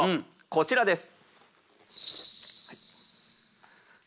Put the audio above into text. こちらです。